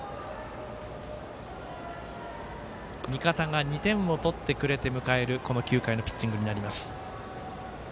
味方が２点を取ってくれて迎えるこの９回のピッチングになります。